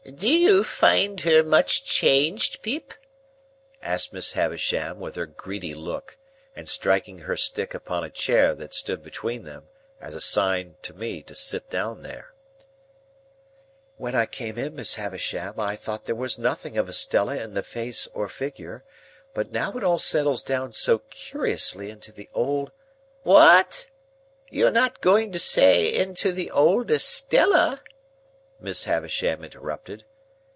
"Do you find her much changed, Pip?" asked Miss Havisham, with her greedy look, and striking her stick upon a chair that stood between them, as a sign to me to sit down there. "When I came in, Miss Havisham, I thought there was nothing of Estella in the face or figure; but now it all settles down so curiously into the old—" "What? You are not going to say into the old Estella?" Miss Havisham interrupted.